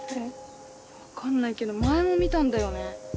分かんないけど前も見たんだよね。